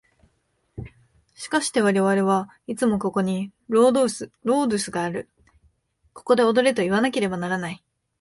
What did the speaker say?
しかして我々はいつもここにロードゥスがある、ここで踊れといわなければならない。